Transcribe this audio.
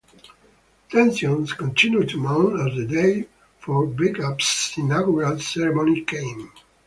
Tensions continued to mount as the day for Bagapsh's inaugural ceremony came.